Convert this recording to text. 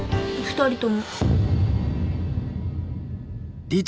２人とも。